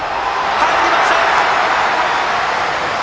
入りました！